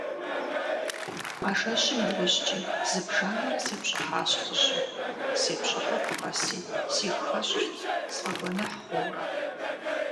А жэщым и ужькӀи зыбжанэрэ сепщӀыхьащ лӀыжьым, сепщӀыхьыху къэси сигу хэщӀырт, сфӀэгуэныхь хъуурэ.